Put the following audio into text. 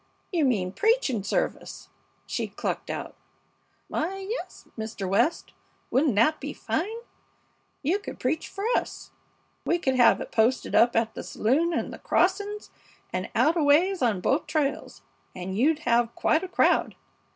You mean preaching service!" she clucked out. "Why, yes, Mr. West, wouldn't that be fine? You could preach for us. We could have it posted up at the saloon and the crossings, and out a ways on both trails, and you'd have quite a crowd.